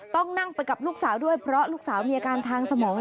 ต้องนั่งไปกับลูกสาวด้วยเพราะลูกสาวมีอาการทางสมอง